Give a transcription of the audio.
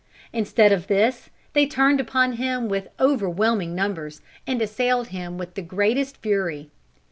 Instead of this, they turned upon him with overwhelming numbers, and assailed him with the greatest fury.